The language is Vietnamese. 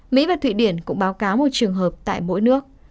mỹ và thụy điển cũng báo cáo một trường hợp tại mỗi nước